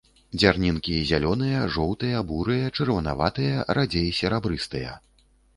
Дзярнінкі зялёныя, жоўтыя, бурыя, чырванаватыя, радзей серабрыстыя.